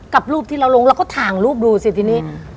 กับรูปที่เราลงเราก็ถ่ายรูปดูสิทีนี้